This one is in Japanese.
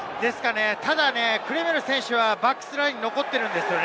ただクレメール選手はバックスラインに残っているんです。